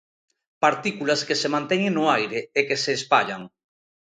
Partículas que se manteñen no aire e que se espallan.